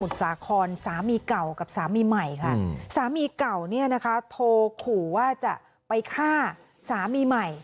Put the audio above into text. สามีเก่ากับสามีใหม่ค่ะสามีเก่าเนี่ยนะคะโทรขู่ว่าจะไปฆ่าสามีใหม่